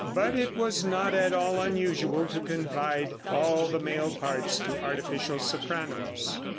But it was not at all unusual to confide all the male parts to artificial sopranos.